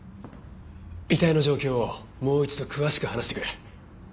遺体の状況をもう一度詳しく話してくれ。